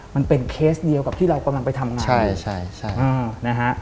มันเป็นเคสเดียวกับที่เรากำลังไปทำงาน